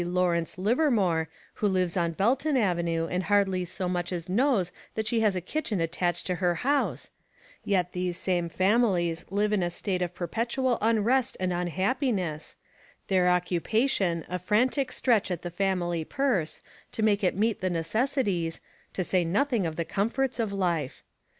Lawrence Liver more, who lives on Belton Avenue, and hardly so much as knows that she has a kitchen attached to her house — yet these same families live in a state of perpetual unrest and unhappiness, their occupation a frantic stretch at the family purse to make it meet the necessities, to say nothing of the comforts of life.